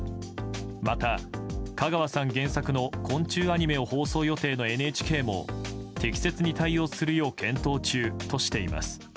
また、香川さん原作の昆虫アニメを放送予定のＮＨＫも適切に対応するよう検討中としています。